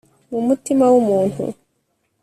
mu mutima w umuntu